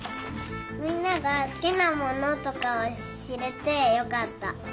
みんながすきなものとかをしれてよかった。